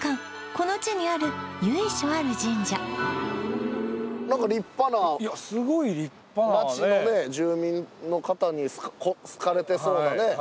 この地にある由緒ある神社何か立派な町のね住民の方に好かれてそうなね